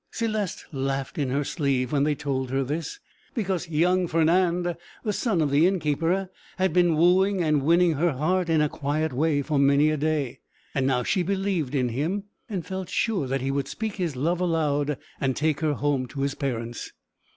Céleste laughed in her sleeve when they told her this, because young Fernand, the son of the inn keeper, had been wooing and winning her heart, in a quiet way, for many a day; and now she believed in him, and felt sure that he would speak his love aloud and take her home to his parents.